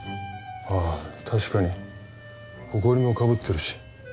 あ確かにほこりもかぶってるし。